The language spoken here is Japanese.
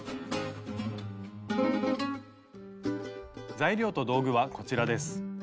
材料と道具はこちらです。